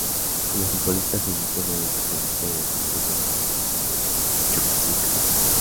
Como futbolista se inició en el Independiente de Deportes de Chosica.